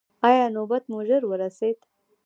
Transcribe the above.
ایا نوبت مو ژر ورسید؟